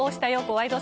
ワイド！